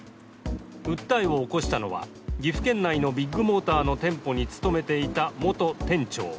訴えを起こしたのは、岐阜県内のビッグモーターの店舗に勤めていた元店長。